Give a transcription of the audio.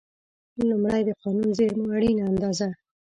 لومړی: د قانوني زېرمو اړینه اندازه.